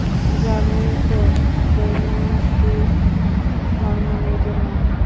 জানোই তো, প্রেগন্যান্সি হরমোনের জন্য।